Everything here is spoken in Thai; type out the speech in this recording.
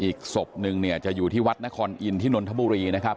อีกศพนึงเนี่ยจะอยู่ที่วัดนครอินที่นนทบุรีนะครับ